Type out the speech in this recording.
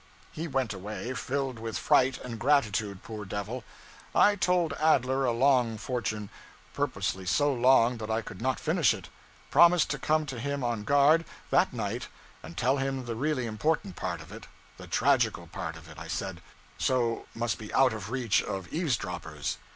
He went away filled with fright and gratitude, poor devil. I told Adler a long fortune purposely so long that I could not finish it; promised to come to him on guard, that night, and tell him the really important part of it the tragical part of it, I said so must be out of reach of eavesdroppers.